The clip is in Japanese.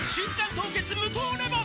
凍結無糖レモン」